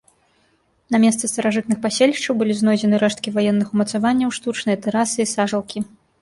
На месцы старажытных паселішчаў былі знойдзены рэшткі ваенных умацаванняў, штучныя тэрасы і сажалкі.